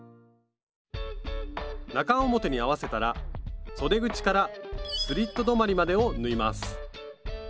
中表に合わせたらそで口からスリット止まりまでを縫います